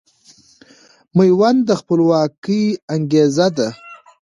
ميوند د خپلواکۍ انګېزه ده